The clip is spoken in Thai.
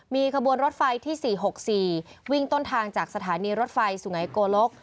มีขบวนรถไฟที่๔๖๔วิ่งต้นทางจากสถานีรถไฟสุไงโกลก